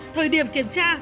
thời điểm kiểm tra